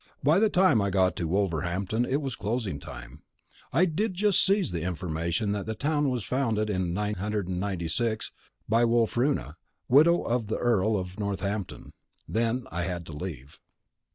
By the time I got to Wolverhampton it was closing time. I did just seize the information that the town was founded in 996 by Wulfruna, widow of the Earl of Northampton. Then I had to leave.